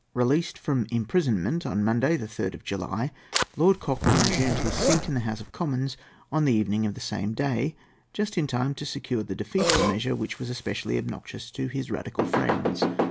] Released from imprisonment on Monday, the 3rd of July, Lord Cochrane resumed his seat in the House of Commons on the evening of the same day, just in time to secure the defeat of a measure which was especially obnoxious to his Radical friends.